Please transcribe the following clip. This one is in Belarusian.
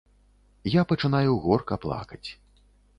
Я пачынаю горка плакаць.